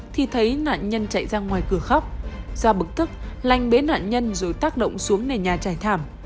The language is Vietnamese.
thì thấy nạn nhân chạy ra ngoài cửa khóc do bực thức lành bế nạn nhân rồi tác động xuống nền nhà trải thảm